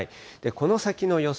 この先の予想